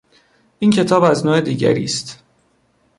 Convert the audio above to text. این کتاب از نوع دیگری است.